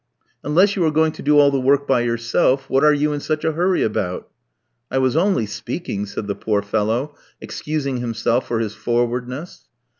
"Unless you are going to do all the work by yourself, what are you in such a hurry about?" "I was only speaking," said the poor fellow, excusing himself for his forwardness.